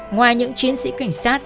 ngoài những chiến sĩ cảnh sát